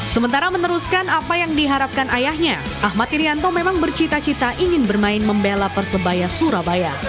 sementara meneruskan apa yang diharapkan ayahnya ahmad irianto memang bercita cita ingin bermain membela persebaya surabaya